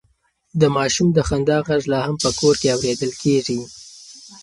د ماشوم د خندا غږ لا هم په کور کې اورېدل کېږي.